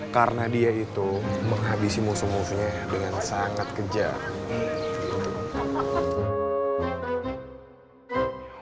karena dia itu menghabisi musuh musuhnya dengan sangat kejar